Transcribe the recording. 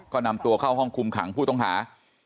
ก็นำตัวเข้าห้องคุมขังผู้ต้องหา